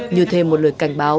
như thêm một lời cảnh báo